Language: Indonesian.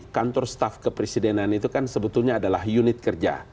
kantor staf kepresidenan itu kan sebetulnya adalah unit kerja